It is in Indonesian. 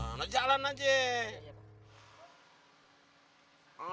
mau suasana jalan aja